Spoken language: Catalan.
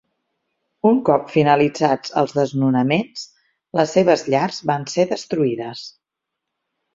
Un cop finalitzats els desnonaments, les seves llars van ser destruïdes.